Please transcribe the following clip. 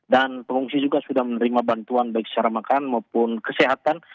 dan pengungsi juga sudah menerima bantuan baik secara makan maupun kesehatan